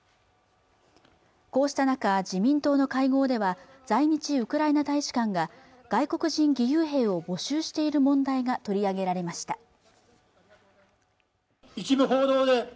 こうした中自民党の会合では在日ウクライナ大使館が外国人義勇兵を募集している問題が取り上げられました